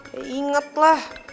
ya inget lah